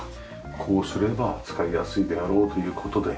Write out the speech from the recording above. こうすれば使いやすいであろうという事で。